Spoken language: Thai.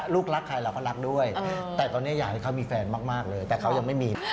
ลูกรักใครเราก็รักด้วยแต่ตอนนี้อยากให้เขามีแฟนมากเลยแต่เขายังไม่มี